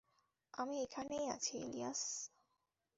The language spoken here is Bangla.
আমি এখানেই আছি, ইলিয়াস।